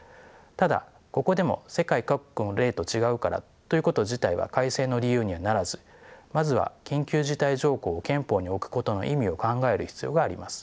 ただここでも世界各国の例と違うからということ自体は改正の理由にはならずまずは緊急事態条項を憲法に置くことの意味を考える必要があります。